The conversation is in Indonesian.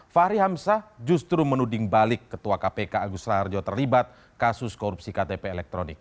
fahri hamzah justru menuding balik ketua kpk agus raharjo terlibat kasus korupsi ktp elektronik